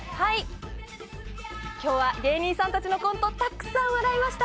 今日は芸人さんたちのコントたくさん笑いました。